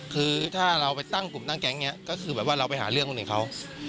คือถ้าเราไปตั้งกลุ่มตั้งแก๊งนี้ก็คือแบบว่าเราไปหาเรื่องคนอื่นเขา